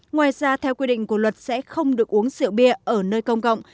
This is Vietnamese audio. ngoài ra theo quy định của luật sẽ không được uống rượu bia ở nơi công cộng